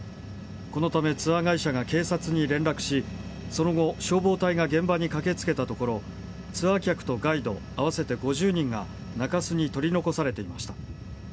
このため、ツアー会社が警察に連絡し、その後消防隊が現場に駆けつけたところツアー客とガイド、合わせて５０人が中州に取り残されていました。